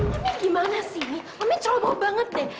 mami gimana sih mami ceroboh banget deh